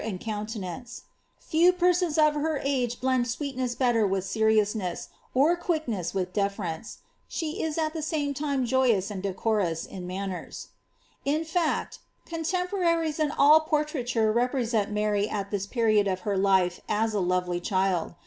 107 Few persons of her age blend sweetness better with seriousness, or quickness with deference ; she is at the same time joyous and decorous io manners.^' In fact, contemporaries and ail portraiture represent Mary al this period of her life as a lovely child.